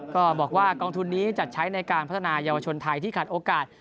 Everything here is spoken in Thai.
ก็บอกว่ากองทุนนี้จัดใช้ในการพัฒนายาวชนไทยที่ขาดโอกาส